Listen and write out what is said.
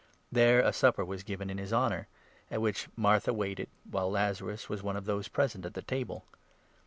There a supper was 2 at Bethany. given \n \i\s honour, at which Martha waited, while Lazarus was one of those present at the table.